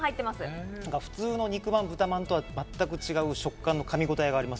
普通の肉まん、豚まんとは全く違う食感の噛みごたえがあります。